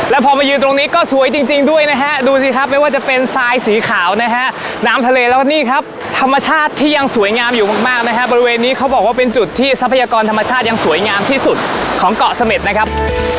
แล้วพอมายืนตรงนี้ก็สวยจริงด้วยนะฮะดูสิครับไม่ว่าจะเป็นทรายสีขาวนะฮะน้ำทะเลแล้วก็นี่ครับธรรมชาติที่ยังสวยงามอยู่มากมากนะฮะบริเวณนี้เขาบอกว่าเป็นจุดที่ทรัพยากรธรรมชาติยังสวยงามที่สุดของเกาะเสม็ดนะครับ